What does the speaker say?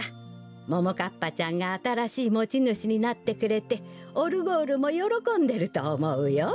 ももかっぱちゃんがあたらしいもちぬしになってくれてオルゴールもよろこんでるとおもうよ。